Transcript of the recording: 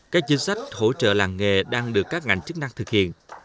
các chính sách hỗ trợ làng nghề đang được các ngành chức năng thực hiện